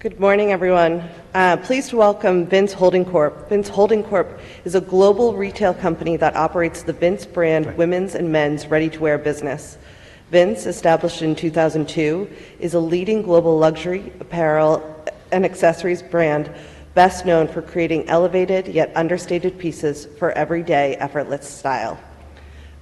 Good morning, everyone. Please welcome Vince Holding Corp. Vince Holding Corp is a global retail company that operates the Vince brand- Right. women's and men's ready-to-wear business. Vince, established in 2002, is a leading global luxury apparel and accessories brand, best known for creating elevated, yet understated pieces for everyday effortless style.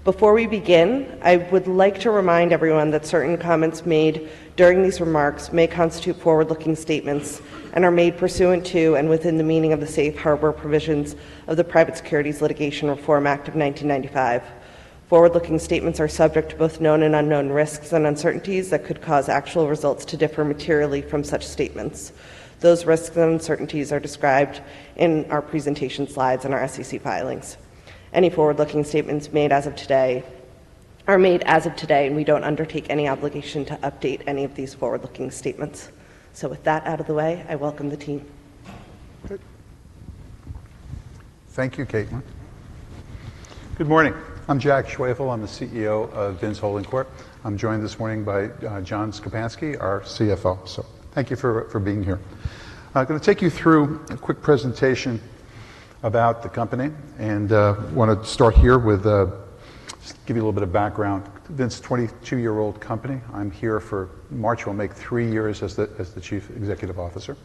Before we begin, I would like to remind everyone that certain comments made during these remarks may constitute forward-looking statements and are made pursuant to, and within the meaning of the safe harbor provisions of the Private Securities Litigation Reform Act of 1995. Forward-looking statements are subject to both known and unknown risks and uncertainties that could cause actual results to differ materially from such statements. Those risks and uncertainties are described in our presentation slides and our SEC filings. Any forward-looking statements made as of today, are made as of today, and we don't undertake any obligation to update any of these forward-looking statements. With that out of the way, I welcome the team. Good. Thank you, Caitlin. Good morning. I'm Jack Schwefel. I'm the CEO of Vince Holding Corp. I'm joined this morning by John Szczepanski, our CFO. So thank you for being here. I'm gonna take you through a quick presentation about the company, and want to start here with. Just give you a little bit of background. Vince is a 22-year-old company. I'm here for, March will make three years as the Chief Executive Officer.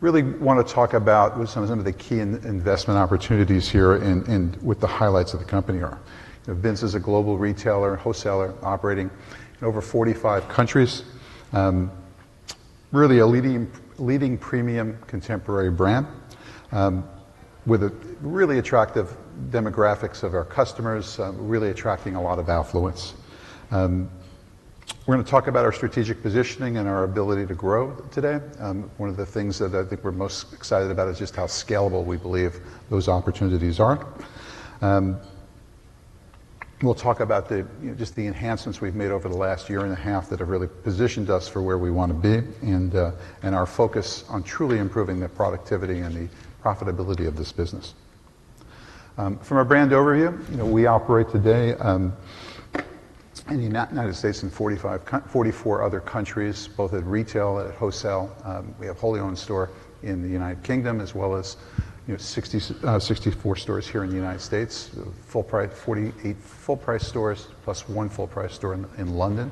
Really want to talk about what some of the key investment opportunities here and what the highlights of the company are. Vince is a global retailer and wholesaler, operating in over 45 countries. Really a leading premium contemporary brand with a really attractive demographics of our customers, really attracting a lot of affluence. We're gonna talk about our strategic positioning and our ability to grow today. One of the things that I think we're most excited about is just how scalable we believe those opportunities are. We'll talk about the, you know, just the enhancements we've made over the last year and a half that have really positioned us for where we want to be, and our focus on truly improving the productivity and the profitability of this business. From a brand overview, you know, we operate today in the United States and 44 other countries, both at retail and at wholesale. We have wholly owned store in the United Kingdom, as well as, you know, 64 stores here in the United States. Full price, 48 full-price stores, plus one full-price store in London.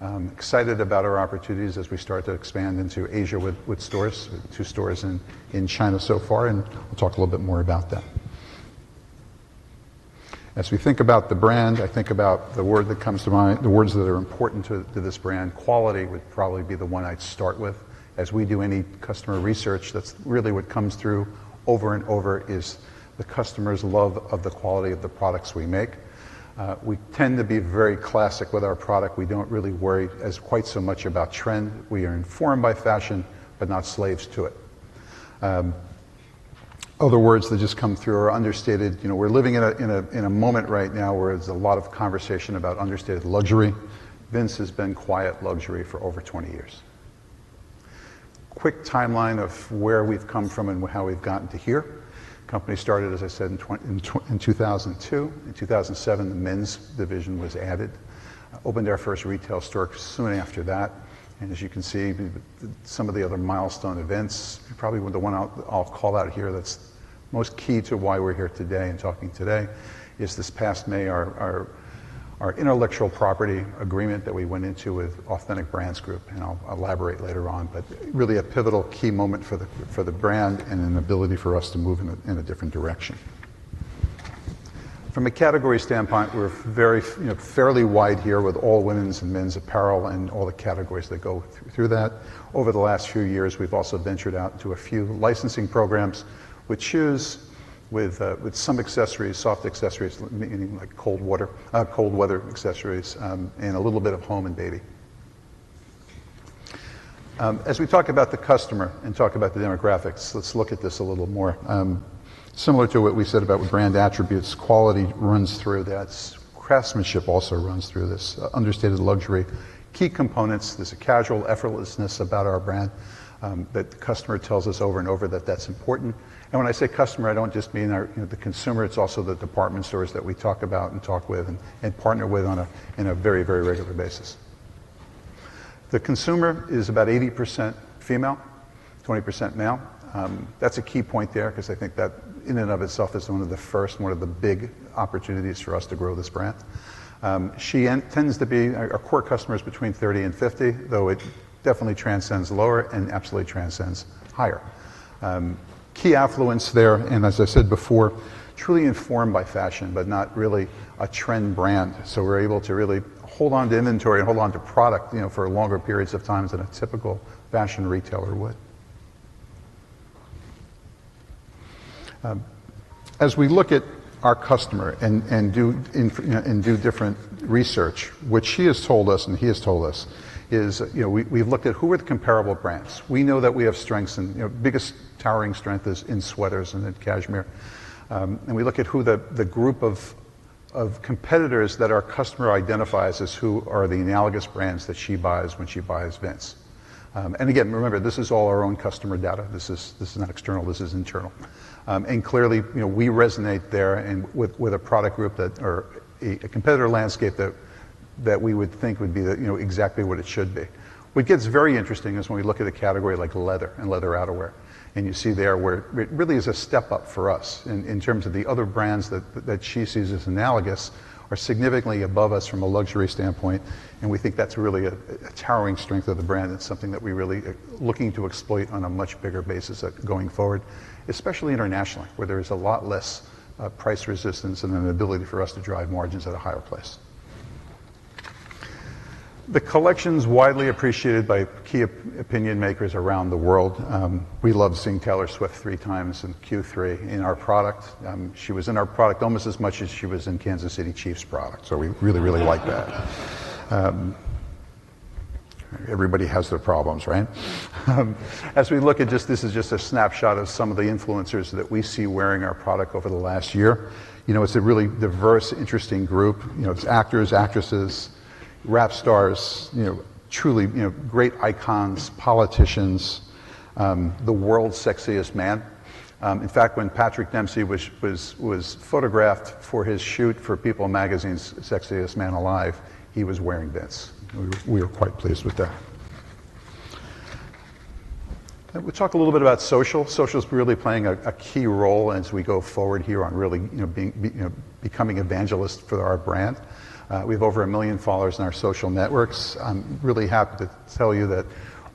I'm excited about our opportunities as we start to expand into Asia with stores. Two stores in China so far, and we'll talk a little bit more about that. As we think about the brand, I think about the word that comes to mind, the words that are important to this brand. Quality would probably be the one I'd start with. As we do any customer research, that's really what comes through over and over, is the customers' love of the quality of the products we make. We tend to be very classic with our product. We don't really worry as quite so much about trend. We are informed by fashion, but not slaves to it. Other words that just come through are understated. You know, we're living in a moment right now where there's a lot of conversation about understated luxury. Vince has been quiet luxury for over 20 years. Quick timeline of where we've come from and how we've gotten to here. Company started, as I said, in 2002. In 2007, the men's division was added. Opened our first retail store soon after that, and as you can see, some of the other milestone events. Probably the one I'll call out here that's most key to why we're here today and talking today is this past May, our intellectual property agreement that we went into with Authentic Brands Group, and I'll elaborate later on. But really a pivotal key moment for the brand and an ability for us to move in a different direction. From a category standpoint, we're very, you know, fairly wide here with all women's and men's apparel and all the categories that go through that. Over the last few years, we've also ventured out into a few licensing programs with shoes, with some accessories, soft accessories, meaning like cold weather accessories, and a little bit of home and baby. As we talk about the customer and talk about the demographics, let's look at this a little more. Similar to what we said about brand attributes, quality runs through that. Craftsmanship also runs through this. Understated luxury. Key components, there's a casual effortlessness about our brand that the customer tells us over and over that that's important. And when I say customer, I don't just mean our, you know, the consumer, it's also the department stores that we talk about and talk with and, and partner with on a, in a very, very regular basis. The consumer is about 80% female, 20% male. That's a key point there, 'cause I think that in and of itself is one of the first, one of the big opportunities for us to grow this brand. Our core customer is between 30 and 50, though it definitely transcends lower and absolutely transcends higher. Key affluence there, and as I said before, truly informed by fashion, but not really a trend brand. So we're able to really hold on to inventory and hold on to product, you know, for longer periods of times than a typical fashion retailer would. As we look at our customer and do different research, which she has told us, and he has told us, is, you know, we, we've looked at who are the comparable brands. We know that we have strengths and, you know, biggest towering strength is in sweaters and in cashmere. And we look at who the group of competitors that our customer identifies as who are the analogous brands that she buys when she buys Vince. And again, remember, this is all our own customer data. This is not external, this is internal. And clearly, you know, we resonate there and with a product group that Or a competitor landscape that we would think would be the, you know, exactly what it should be. What gets very interesting is when we look at a category like leather and leather outerwear, and you see there where it really is a step up for us in terms of the other brands that she sees as analogous, are significantly above us from a luxury standpoint, and we think that's really a towering strength of the brand. It's something that we really are looking to exploit on a much bigger basis, going forward, especially internationally, where there is a lot less price resistance and an ability for us to drive margins at a higher place. The collection's widely appreciated by key opinion makers around the world. We loved seeing Taylor Swift three times in Q3 in our product. She was in our product almost as much as she was in Kansas City Chiefs product, so we really, really liked that. Everybody has their problems, right? As we look at just this is just a snapshot of some of the influencers that we see wearing our product over the last year. You know, it's a really diverse, interesting group. You know, it's actors, actresses, rap stars, you know, truly, you know, great icons, politicians, the world's sexiest man. In fact, when Patrick Dempsey was photographed for his shoot for People magazine's Sexiest Man Alive, he was wearing Vince. We were quite pleased with that. We talked a little bit about social. Social is really playing a key role as we go forward here on really, you know, being, you know, becoming evangelists for our brand. We have over 1 million followers in our social networks. I'm really happy to tell you that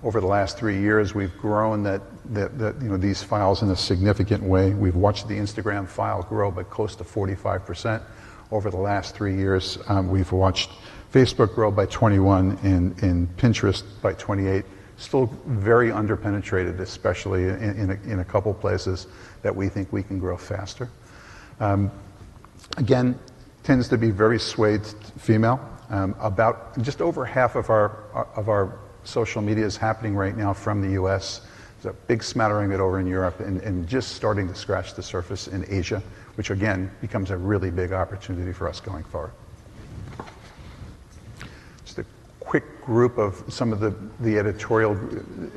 over the last three years, we've grown that, you know, these follows in a significant way. We've watched the Instagram following grow by close to 45% over the last three years. We've watched Facebook grow by 21% and Pinterest by 28%. Still very underpenetrated, especially in a couple places that we think we can grow faster. Again, tends to be very skewed female. About just over half of our social media is happening right now from the U.S. There's a big smattering of it over in Europe and just starting to scratch the surface in Asia, which again, becomes a really big opportunity for us going forward. Just a quick group of some of the, the editorial,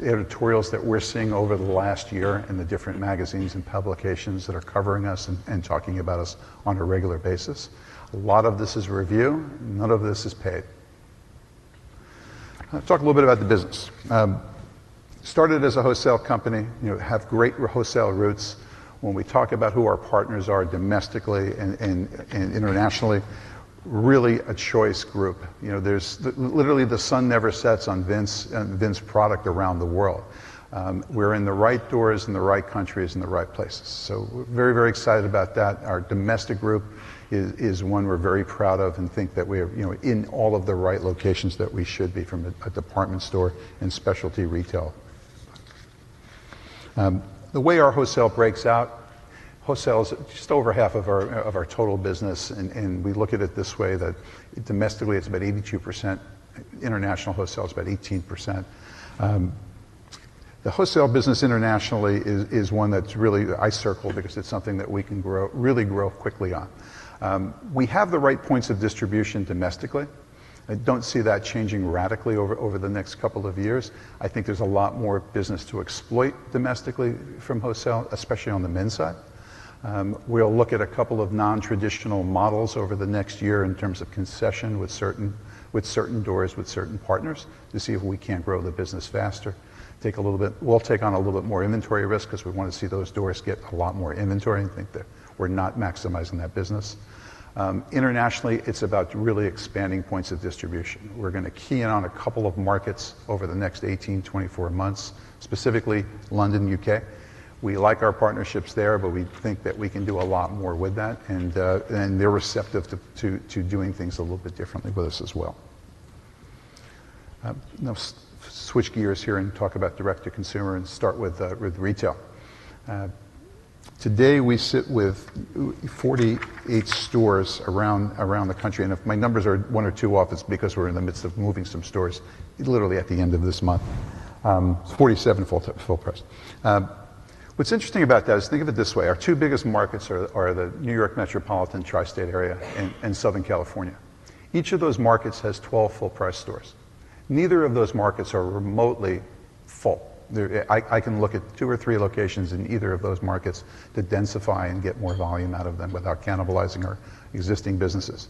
editorials that we're seeing over the last year in the different magazines and publications that are covering us and, and talking about us on a regular basis. A lot of this is review. None of this is paid. I'll talk a little bit about the business. Started as a wholesale company, you know, have great wholesale roots. When we talk about who our partners are domestically and, and, and internationally, really a choice group. You know, there's. Literally, the sun never sets on Vince, Vince product around the world. We're in the right doors, in the right countries, in the right places, so we're very, very excited about that. Our domestic group is one we're very proud of and think that we're, you know, in all of the right locations that we should be from a department store and specialty retail. The way our wholesale breaks out, wholesale is just over half of our total business, and we look at it this way, that domestically, it's about 82%. International wholesale is about 18%. The wholesale business internationally is one that's really ideal because it's something that we can grow, really grow quickly on. We have the right points of distribution domestically. I don't see that changing radically over the next couple of years. I think there's a lot more business to exploit domestically from wholesale, especially on the men's side. We'll look at a couple of non-traditional models over the next year in terms of concession with certain, with certain doors, with certain partners, to see if we can't grow the business faster. We'll take on a little bit more inventory risk because we want to see those doors get a lot more inventory and think that we're not maximizing that business. Internationally, it's about really expanding points of distribution. We're gonna key in on a couple of markets over the next 18-24 months, specifically London, U.K. We like our partnerships there, but we think that we can do a lot more with that, and they're receptive to doing things a little bit differently with us as well. Now switch gears here and talk about direct-to-consumer and start with retail. Today, we sit with 48 stores around the country, and if my numbers are one or two off, it's because we're in the midst of moving some stores literally at the end of this month. 47 full-price. What's interesting about that is, think of it this way: Our two biggest markets are the New York metropolitan tri-state area and Southern California. Each of those markets has 12 full-price stores. Neither of those markets are remotely full. They're... I can look at two or three locations in either of those markets to densify and get more volume out of them without cannibalizing our existing businesses.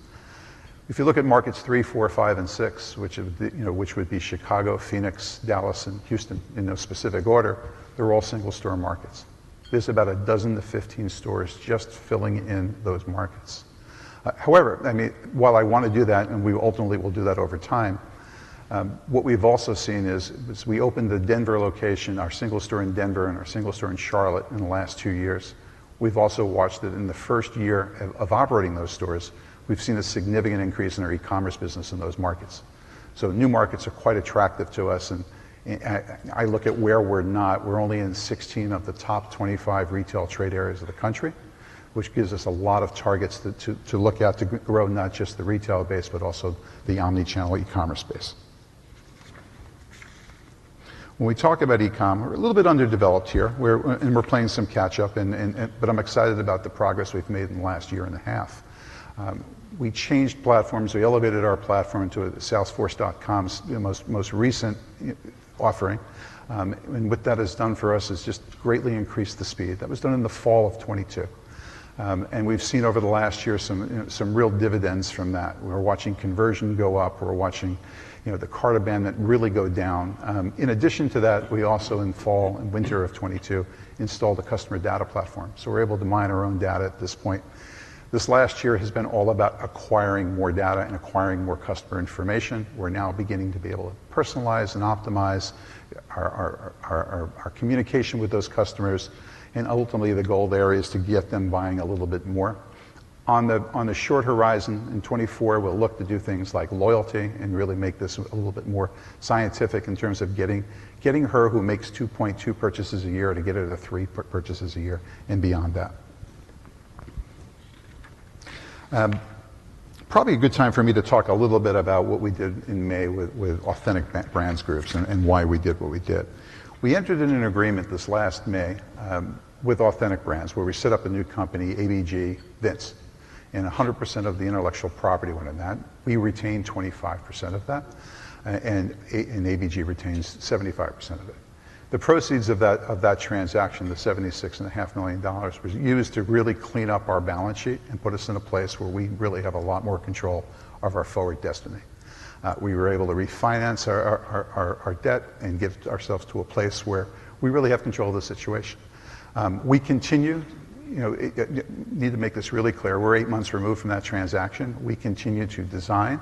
If you look at markets three, four, five, and six, which are the, you know, which would be Chicago, Phoenix, Dallas, and Houston, in no specific order, they're all single-store markets. There's about 12-15 stores just filling in those markets. However, I mean, while I want to do that, and we ultimately will do that over time, what we've also seen is we opened the Denver location, our single store in Denver, and our single store in Charlotte in the last two years. We've also watched that in the first year of operating those stores, we've seen a significant increase in our e-commerce business in those markets. So new markets are quite attractive to us, and I look at where we're not. We're only in 16 of the top 25 retail trade areas of the country, which gives us a lot of targets to look out to grow, not just the retail base, but also the omni-channel e-commerce base. When we talk about e-commerce, we're a little bit underdeveloped here. We're playing some catch up, but I'm excited about the progress we've made in the last year and a half. We changed platforms. We elevated our platform to Salesforce.com's most recent offering, and what that has done for us is just greatly increased the speed. That was done in the fall of 2022. And we've seen over the last year some real dividends from that. We're watching conversion go up. We're watching, you know, the cart abandonment really go down. In addition to that, we also, in fall and winter of 2022, installed a customer data platform, so we're able to mine our own data at this point. This last year has been all about acquiring more data and acquiring more customer information. We're now beginning to be able to personalize and optimize our communication with those customers, and ultimately the goal there is to get them buying a little bit more. On the short horizon, in 2024, we'll look to do things like loyalty and really make this a little bit more scientific in terms of getting her who makes 2.2 purchases a year to get her to three purchases a year and beyond that. Probably a good time for me to talk a little bit about what we did in May with Authentic Brands Group and why we did what we did. We entered into an agreement this last May with Authentic Brands, where we set up a new company, ABG Vince, and 100% of the intellectual property went in that. We retained 25% of that, and ABG retains 75% of it. The proceeds of that transaction, the $76.5 million, was used to really clean up our balance sheet and put us in a place where we really have a lot more control of our forward destiny. We were able to refinance our debt and get ourselves to a place where we really have control of the situation. You know, we need to make this really clear, we're eight months removed from that transaction. We continue to design,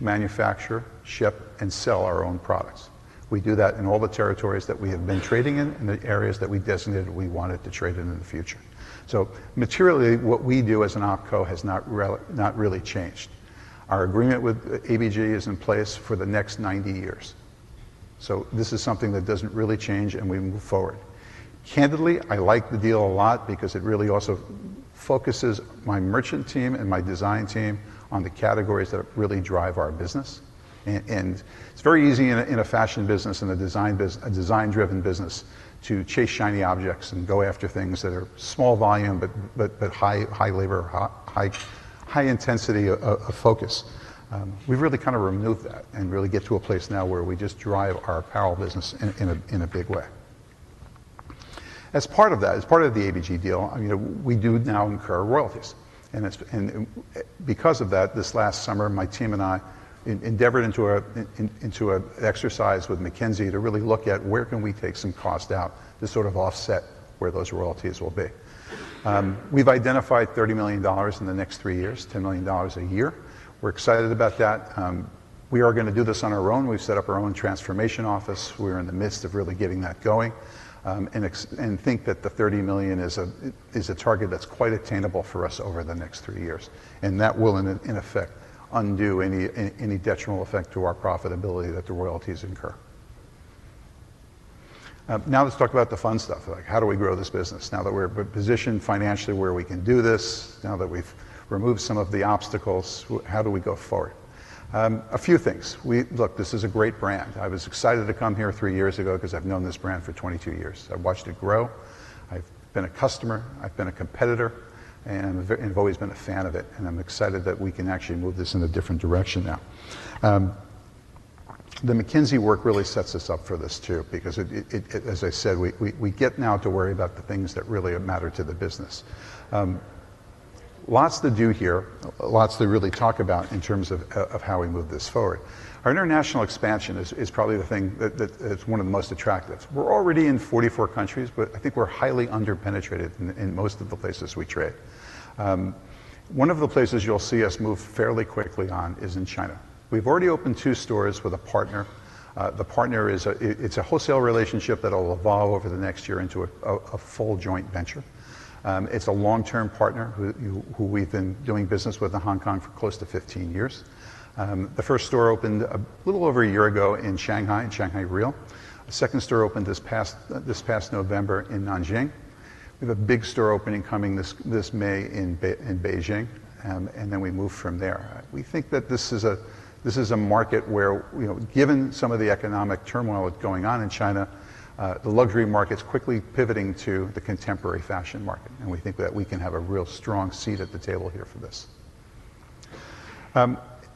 manufacture, ship, and sell our own products. We do that in all the territories that we have been trading in and the areas that we designated we wanted to trade in in the future. So materially, what we do as an OpCo has not really changed. Our agreement with ABG is in place for the next 90 years. So this is something that doesn't really change, and we move forward. Candidly, I like the deal a lot because it really also focuses my merchant team and my design team on the categories that really drive our business. And it's very easy in a fashion business and a design-driven business to chase shiny objects and go after things that are small volume but high labor, high intensity of focus. We've really kind of removed that and really get to a place now where we just drive our apparel business in a big way. As part of that, as part of the ABG deal, you know, we do now incur royalties, and it's because of that, this last summer, my team and I endeavored into an exercise with McKinsey to really look at where can we take some cost out to sort of offset where those royalties will be. We've identified $30 million in the next three years, $10 million a year. We're excited about that. We are gonna do this on our own. We've set up our own transformation office. We're in the midst of really getting that going, and think that the $30 million is a target that's quite attainable for us over the next three years, and that will in effect undo any detrimental effect to our profitability that the royalties incur. Now let's talk about the fun stuff, like, how do we grow this business? Now that we're positioned financially where we can do this, now that we've removed some of the obstacles, how do we go forward? A few things. Look, this is a great brand. I was excited to come here three years ago 'cause I've known this brand for 22 years. I've watched it grow, I've been a customer, I've been a competitor, and I've always been a fan of it, and I'm excited that we can actually move this in a different direction now. The McKinsey work really sets us up for this, too, because it, as I said, we get now to worry about the things that really matter to the business. Lots to do here. Lots to really talk about in terms of of how we move this forward. Our international expansion is probably the thing that's one of the most attractive. We're already in 44 countries, but I think we're highly underpenetrated in most of the places we trade. One of the places you'll see us move fairly quickly on is in China. We've already opened 2 stores with a partner. The partner is a it's a wholesale relationship that will evolve over the next year into a full joint venture. It's a long-term partner who we've been doing business with in Hong Kong for close to 15 years. The first store opened a little over a year ago in Shanghai, in Shanghai Réel. The second store opened this past November in Nanjing. We have a big store opening coming this May in Beijing, and then we move from there. We think that this is a market where, you know, given some of the economic turmoil that's going on in China, the luxury market's quickly pivoting to the contemporary fashion market, and we think that we can have a real strong seat at the table here for this.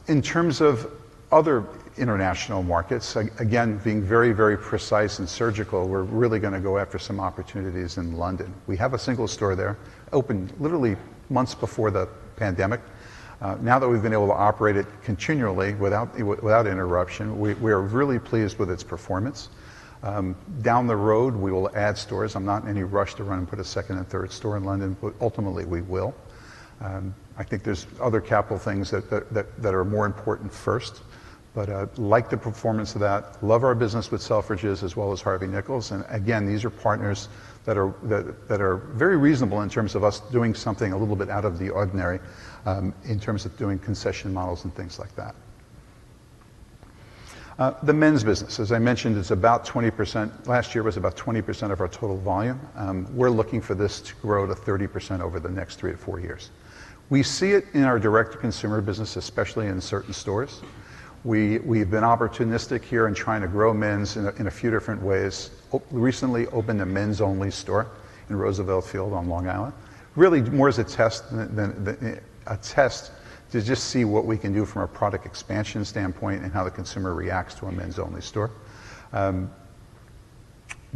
In terms of other international markets, again, being very, very precise and surgical, we're really gonna go after some opportunities in London. We have a single store there, opened literally months before the pandemic. Now that we've been able to operate it continually without interruption, we are really pleased with its performance. Down the road, we will add stores. I'm not in any rush to run and put a second and third store in London, but ultimately we will. I think there's other capital things that are more important first, but, like the performance of that, love our business with Selfridges as well as Harvey Nichols. And again, these are partners that are very reasonable in terms of us doing something a little bit out of the ordinary, in terms of doing concession models and things like that. The men's business, as I mentioned, is about 20%... Last year, it was about 20% of our total volume. We're looking for this to grow to 30% over the next three to four years. We see it in our direct-to-consumer business, especially in certain stores. We've been opportunistic here in trying to grow men's in a few different ways. We recently opened a men's only store in Roosevelt Field on Long Island, really more as a test than a test to just see what we can do from a product expansion standpoint and how the consumer reacts to a men's only store.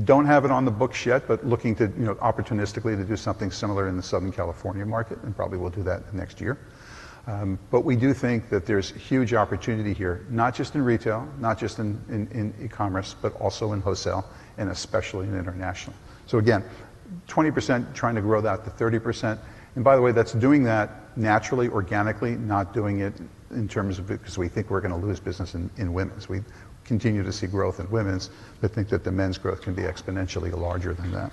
Don't have it on the books yet, but looking to, you know, opportunistically to do something similar in the Southern California market, and probably we'll do that next year. But we do think that there's huge opportunity here, not just in retail, not just in e-commerce, but also in wholesale and especially in international. So again, 20%, trying to grow that to 30%. And by the way, that's doing that naturally, organically, not doing it in terms of because we think we're gonna lose business in, in women's. We continue to see growth in women's, but think that the men's growth can be exponentially larger than that.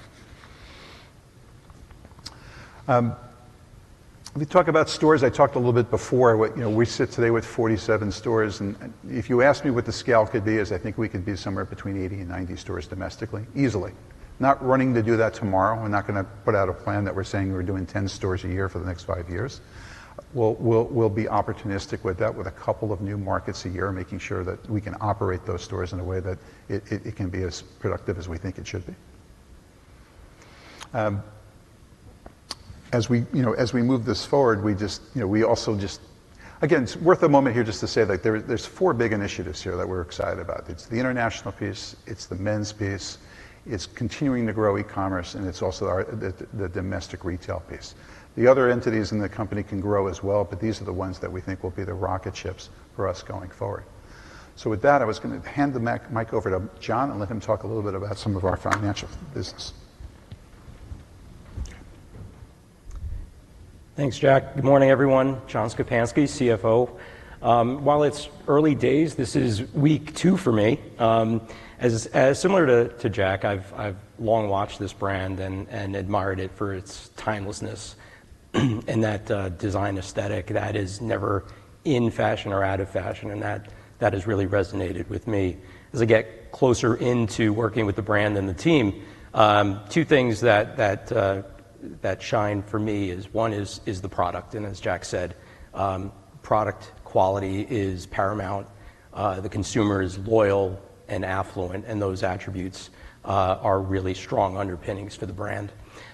Let me talk about stores. I talked a little bit before, what-- you know, we sit today with 47 stores, and if you ask me what the scale could be, is I think we could be somewhere between 80 and 90 stores domestically, easily. Not running to do that tomorrow. We're not gonna put out a plan that we're saying we're doing 10 stores a year for the next five years. We'll be opportunistic with that, with a couple of new markets a year, making sure that we can operate those stores in a way that it can be as productive as we think it should be. As we, you know, as we move this forward, we just, you know, we also just... Again, it's worth a moment here just to say that there's four big initiatives here that we're excited about. It's the international piece, it's the men's piece, it's continuing to grow e-commerce, and it's also the domestic retail piece. The other entities in the company can grow as well, but these are the ones that we think will be the rocket ships for us going forward. So with that, I was gonna hand the mic over to John and let him talk a little bit about some of our financial business. Thanks, Jack. Good morning, everyone. John Szczepanski, CFO. While it's early days, this is week two for me. As similar to Jack, I've long watched this brand and admired it for its timelessness, and that design aesthetic that is never in fashion or out of fashion, and that has really resonated with me. As I get closer into working with the brand and the team, two things that shine for me is, one is the product, and as Jack said, product quality is paramount. The consumer is loyal and affluent, and those attributes are really strong underpinnings for the brand.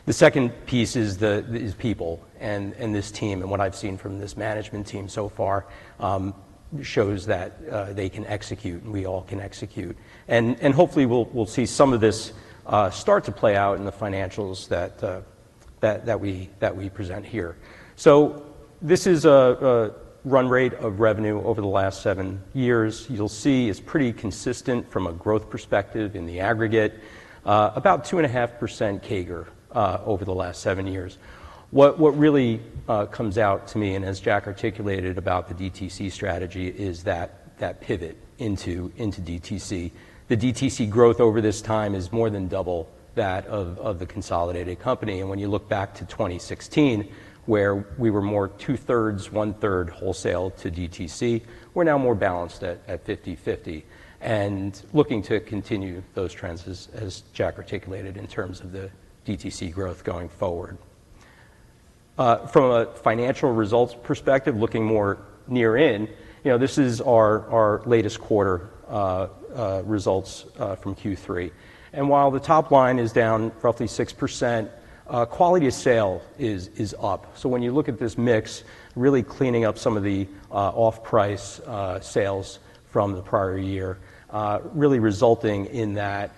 The second piece is people and this team, and what I've seen from this management team so far shows that they can execute, we all can execute. Hopefully, we'll see some of this start to play out in the financials that we present here. This is a run rate of revenue over the last seven years. You'll see it's pretty consistent from a growth perspective in the aggregate, about 2.5% CAGR, over the last seven years. What really comes out to me, and as Jack articulated about the DTC strategy, is that pivot into DTC. The DTC growth over this time is more than double that of the consolidated company. When you look back to 2016, where we were more 2/3-1/3 wholesale to DTC, we're now more balanced at 50/50 and looking to continue those trends as Jack articulated, in terms of the DTC growth going forward. From a financial results perspective, looking more near in, you know, this is our, our latest quarter results from Q3. And while the top line is down roughly 6%, quality of sale is, is up. So when you look at this mix, really cleaning up some of the off-price sales from the prior year, really resulting in that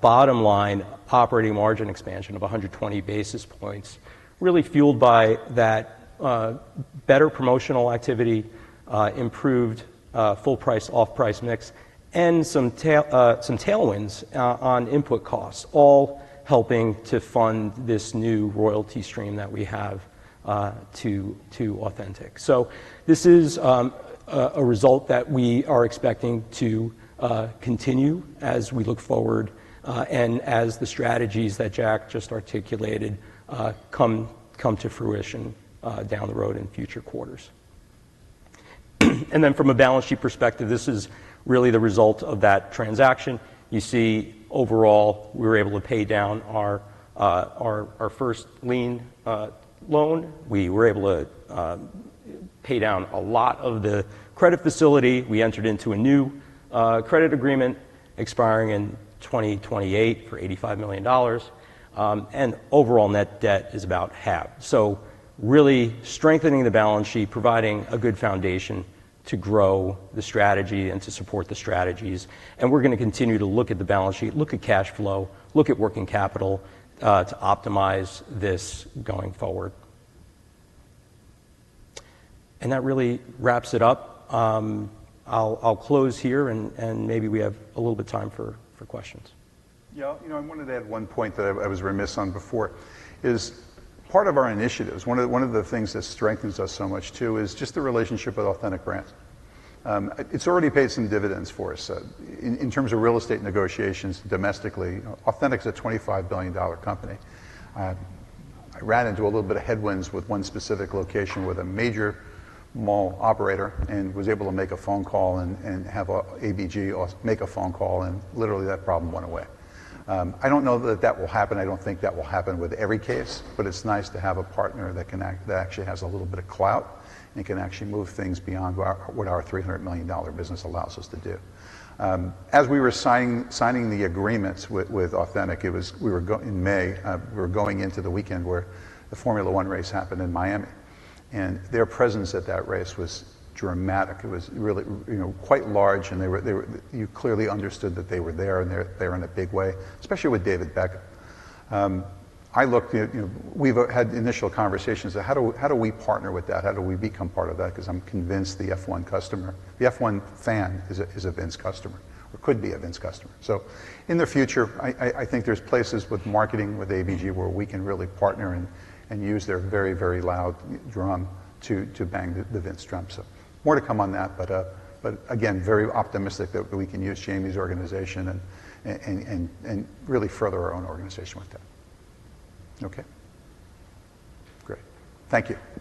bottom line operating margin expansion of 100 basis points, really fueled by that better promotional activity, improved full price, off-price mix, and some tailwinds on input costs, all helping to fund this new royalty stream that we have to Authentic. So this is a result that we are expecting to continue as we look forward, and as the strategies that Jack just articulated come to fruition down the road in future quarters. And then from a balance sheet perspective, this is really the result of that transaction. You see, overall, we were able to pay down our first lien loan. We were able to pay down a lot of the credit facility. We entered into a new credit agreement expiring in 2028 for $85 million. And overall, net debt is about half. So really strengthening the balance sheet, providing a good foundation to grow the strategy and to support the strategies. And we're gonna continue to look at the balance sheet, look at cash flow, look at working capital to optimize this going forward. That really wraps it up. I'll close here and maybe we have a little bit of time for questions. Yeah, you know, I wanted to add one point that I was remiss on before, is part of our initiatives, one of the things that strengthens us so much, too, is just the relationship with Authentic Brands. It's already paid some dividends for us in terms of real estate negotiations domestically. Authentic's a $25 billion company. I ran into a little bit of headwinds with one specific location with a major mall operator and was able to make a phone call and have ABG make a phone call, and literally that problem went away. I don't know that that will happen. I don't think that will happen with every case, but it's nice to have a partner that can act, that actually has a little bit of clout and can actually move things beyond our, what our $300 million business allows us to do. As we were signing the agreements with Authentic, it was in May, we were going into the weekend where the Formula One race happened in Miami, and their presence at that race was dramatic. It was really, you know, quite large, and you clearly understood that they were there, and they're there in a big way, especially with David Beckham. I looked at, you know. We've had initial conversations on how do we partner with that? How do we become part of that? Because I'm convinced the F1 customer, the F1 fan is a Vince customer or could be a Vince customer. So in the future, I think there's places with marketing, with ABG, where we can really partner and use their very, very loud drum to bang the Vince drum. So more to come on that, but again, very optimistic that we can use Jamie's organization and really further our own organization with that. Okay, great. Thank you.